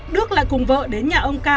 đức lại cùng vợ đến nhà ông ca